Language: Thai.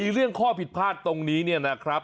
เรื่องข้อผิดพลาดตรงนี้เนี่ยนะครับ